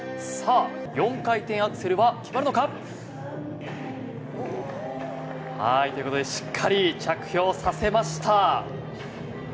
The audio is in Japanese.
４回転アクセルは決まるのか？ということでしっかり着氷させました。